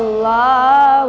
untuk berbicara tentang